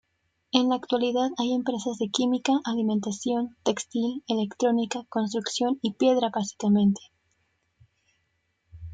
En la actualidad hay empresas de química, alimentación, textil, electrónica, construcción y piedra básicamente.